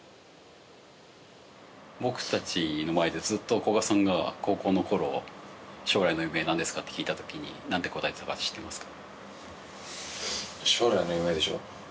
僕たちの前でずっと古賀さんが高校の頃将来の夢は何ですかって聞いたときに何て答えてたか知ってますか？